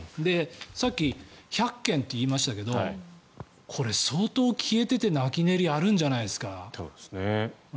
さっき１００件といいましたけどこれ、相当消えてて泣き寝入りあるんじゃないですか。